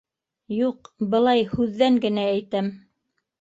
— Юҡ, былай, һүҙҙән генә әйтәм.